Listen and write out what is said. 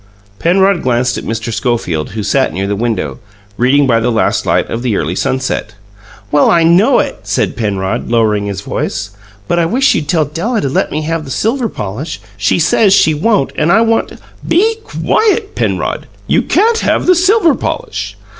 Penrod glanced at Mr. Schofield, who sat near the window, reading by the last light of the early sunset. "Well, I know it," said Penrod, lowering his voice. "But I wish you'd tell Della to let me have the silver polish. She says she won't, and I want to " "Be quiet, Penrod, you can't have the silver polish."